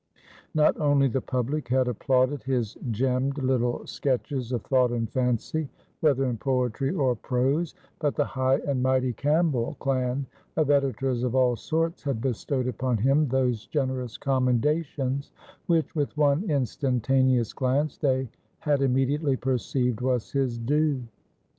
Not only the public had applauded his gemmed little sketches of thought and fancy, whether in poetry or prose; but the high and mighty Campbell clan of editors of all sorts had bestowed upon him those generous commendations, which, with one instantaneous glance, they had immediately perceived was his due.